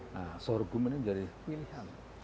nah sorghum ini menjadi pilihan